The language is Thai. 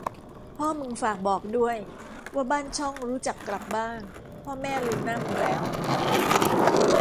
พ่อมึงฝากบอกด้วย ว่าบ้านช่องรู้จักกลับบ้าง พ่อแม่ลืมหน้ามึงแล้ว